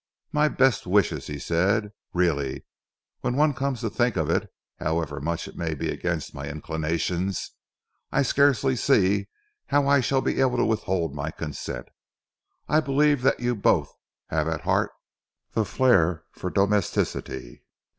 "My best wishes," he said. "Really, when one comes to think of it, however much it may be against my inclinations I scarcely see how I shall be able to withhold my consent. I believe that you both have at heart the flair for domesticity.